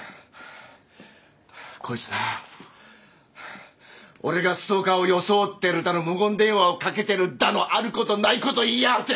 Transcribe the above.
こいつな俺がストーカーを装ってるだの無言電話をかけてるだのあることないこと言いやがって！